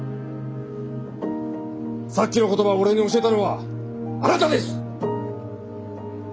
さっきの言葉を俺に教えたのはあなたです！